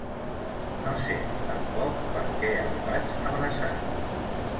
No sé tampoc per què el vaig abraçar.